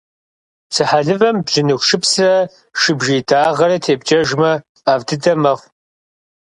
Псыхьэлывэм бжьыныху шыпсрэ шыбжий дагъэрэ тепкӏэжмэ, ӏэфӏ дыдэ мэхъу.